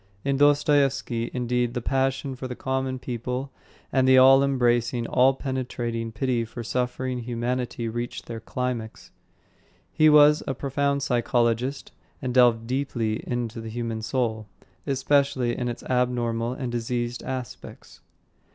In Dostoyevsky, indeed, the passion for the common people and the all embracing, all penetrating pity for suffering humanity reach their climax. He was a profound psychologist and delved deeply into the human soul, especially in its abnormal and diseased aspects.